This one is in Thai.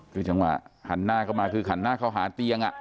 ดูจังหวะหันหน้าก็มาคือหันหน้าเขาหาเตียงอ่ะ